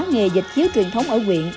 nghề dịch chiếu truyền thống ở quyện